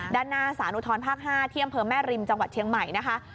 ด้านหน้าสารอุทธรภาค๕ที่อำเภอแม่ริมจังหวัดเชียงใหม่นะคะ